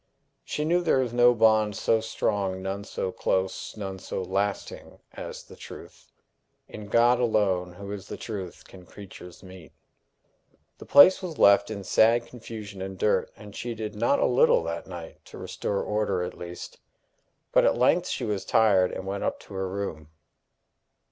She knew there is no bond so strong, none so close, none so lasting as the truth. In God alone, who is the truth, can creatures meet. The place was left in sad confusion and dirt, and she did not a little that night to restore order at least. But at length she was tired, and went up to her room.